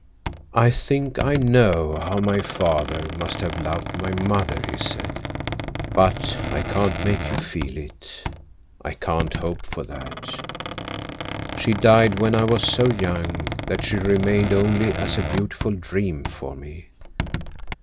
"I think I know how my father must have loved my mother," he said. "But I can't make you feel it. I can't hope for that. She died when I was so young that she remained only as a beautiful dream for me.